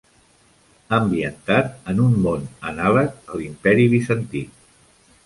Ambientat en un món anàleg a l'Imperi Bizantí.